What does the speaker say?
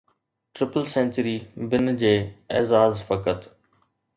triple century بن جو اعزاز فقط